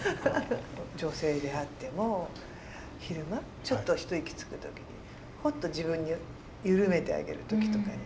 女性であっても昼間ちょっと一息つく時にホッと自分を緩めてあげる時とかに。